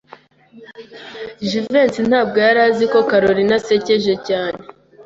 Jivency ntabwo yari azi ko Kalorina asekeje cyane.